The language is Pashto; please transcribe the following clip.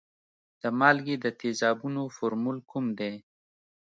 د مالګې د تیزابونو فورمول کوم دی؟